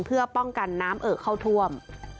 เพื่อป้องกันน้ำเอ่อเข้าท่วม